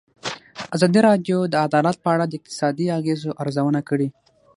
ازادي راډیو د عدالت په اړه د اقتصادي اغېزو ارزونه کړې.